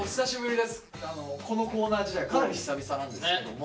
このコーナー自体かなり久々なんですけども。